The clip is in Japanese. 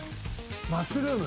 マッシュルーム？